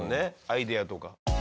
アイデアとか。